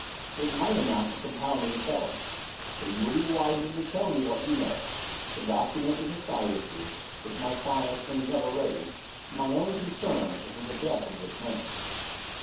"It might amount to compounding a felony. But you will be wiser to tell me what you know. The document is a side issue, which my clients may never raise, and my own concern is with the death of this man."